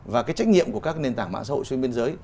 và cái trách nhiệm của các nền tảng mạng xã hội xuyên biên giới